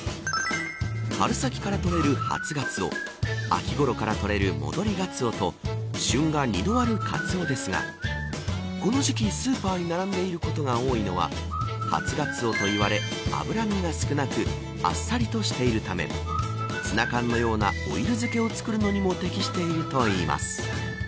春先から取れる初ガツオ秋ごろから獲れる、戻りガツオと旬が２度あるカツオですがこの時期スーパーに並んでいることが多いのは初ガツオといわれ、脂身が少なくあっさりとしているためツナ缶のようなオイル漬けを作るのにも適しているといいます。